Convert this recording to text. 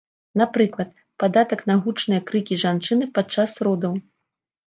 Напрыклад, падатак на гучныя крыкі жанчыны падчас родаў.